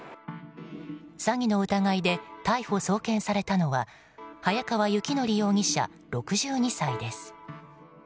詐欺の疑いで逮捕・送検されたのは早川幸範容疑者、６２歳です。